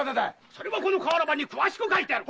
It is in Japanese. それはこの瓦版に詳しく書いてある。